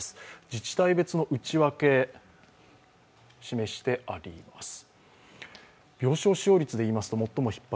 自治体別の内訳を示してあります。